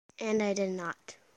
And I did not.